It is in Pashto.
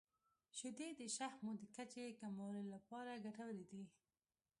• شیدې د شحمو د کچې کمولو لپاره ګټورې دي.